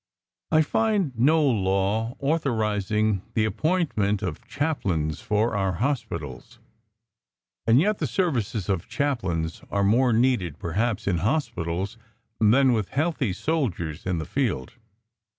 I find no law authorizing the appointment of chaplains for our hospitals, and yet the services of chaplains are more needed, perhaps, in hospitals than with the healthy soldiers in the field.